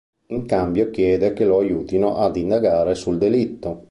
In cambio chiede che lo aiutino ad indagare sul delitto.